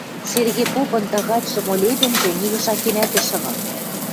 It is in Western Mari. Серге попын тагачшы молебенжӹ нигышакенӓт ӹш шагал.